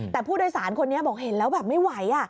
แต่ผู้โดยสารคนนี้บอกเห็นแล้วแบบไม่ไหว